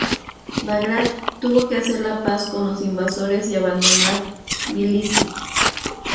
Bagrat tuvo que hacer la paz con los invasores y abandonar Tbilisi.